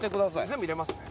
全部入れますね。